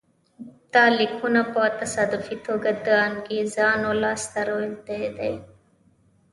دا لیکونه په تصادفي توګه د انګرېزانو لاسته لوېدلي دي.